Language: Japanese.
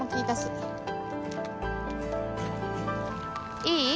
いい？